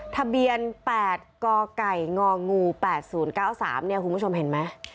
ทะเบียน๘กกง๘๐๙๓คุณผู้ชมเห็นไหม